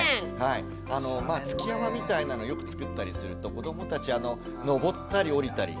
築山みたいなのよく作ったりすると子どもたち登ったり下りたり。